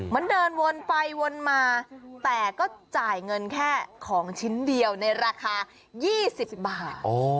มันเดินวนไปวนมาแต่ก็จ่ายเงินแค่ของชิ้นเดียวในราคา๒๐บาท